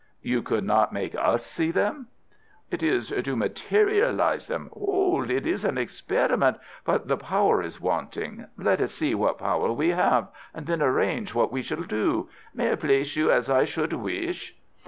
"You could not make us see them." "It is to materialize them. Hold! It is an experiment. But the power is wanting. Let us see what power we have, and then arrange what we shall do. May I place you as I should wish?"